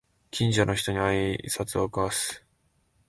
近所の人に会いあいさつを交わす